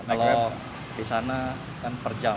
kalau di sana kan per jam